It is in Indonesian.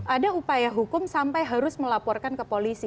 ada upaya hukum sampai harus melaporkan ke polisi